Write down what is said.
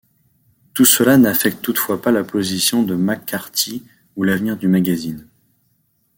Tout cela n’affecte toutefois pas la position de McCarthy ou l’avenir du magazine.